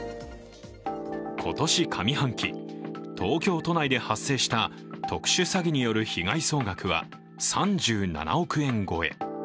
今年上半期、東京都内で発生した特殊詐欺による被害額は３７億円超え。